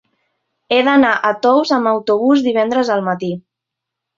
He d'anar a Tous amb autobús divendres al matí.